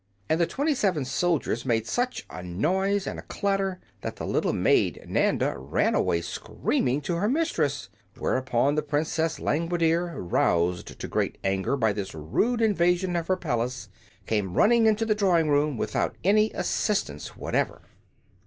And the twenty seven soldiers made such a noise and a clatter that the little maid Nanda ran away screaming to her mistress, whereupon the Princess Langwidere, roused to great anger by this rude invasion of her palace, came running into the drawing room without any assistance whatever.